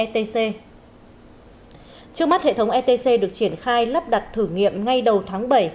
trước mắt hệ thống etc được triển khai lắp đặt thử nghiệm ngay đầu tháng bảy